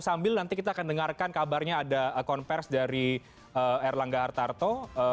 sambil nanti kita akan dengarkan kabarnya ada konversi dari erlangga hartarto